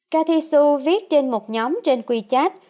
cathy xu viết trên một nhóm trên wechat